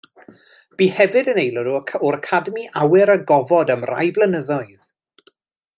Bu hefyd yn aelod o'r Academi Awyr a Gofod am rai blynyddoedd.